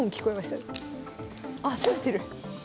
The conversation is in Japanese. あっ攻めてる！